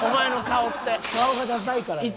顔がださいからや。